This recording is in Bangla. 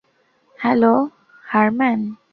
হ্যালো, হারম্যান।